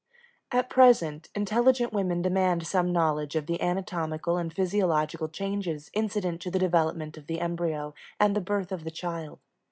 At present intelligent women demand some knowledge of the anatomical and physiological changes incident to the development of the embryo and the birth of the child.